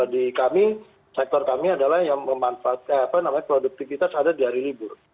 di kami sektor kami adalah yang memanfaatkan produktivitas ada di hari libur